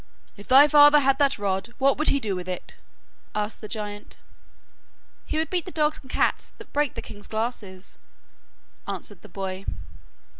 'If thy father had that rod, what would he do with it?' asked the giant. 'He would beat the dogs and cats that break the king's glasses,' answered the boy.